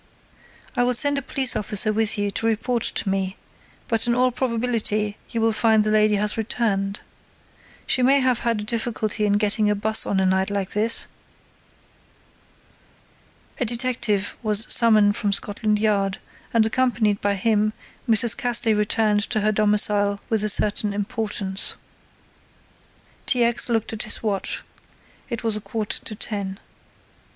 "I will send a police officer with you to report to me, but in all probability you will find the lady has returned. She may have had a difficulty in getting a bus on a night like this." A detective was summoned from Scotland Yard and accompanied by him Mrs. Cassley returned to her domicile with a certain importance. T. X. looked at his watch. It was a quarter to ten.